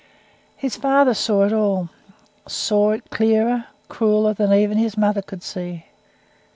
His father saw it all. Saw it clearer, crueller, than even his mother could see.